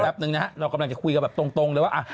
หนึ่งนะฮะเรากำลังจะคุยกันแบบตรงเลยว่า